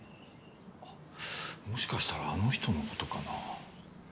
あっもしかしたらあの人の事かなあ。